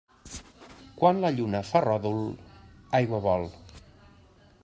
Quan la lluna fa ròdol, aigua vol.